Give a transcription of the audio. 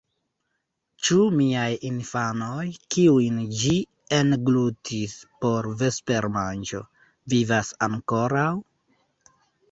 "Ĉu miaj infanoj, kiujn ĝi englutis por vespermanĝo, vivas ankoraŭ?"